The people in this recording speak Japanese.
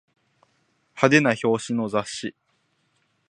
派手な表紙の雑誌